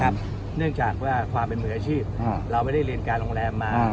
เนื่องจากว่าความเป็นมืออาชีพเราไม่ได้เรียนการโรงแรมมา